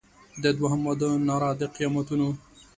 د دوهم واده ناره د قیامتونو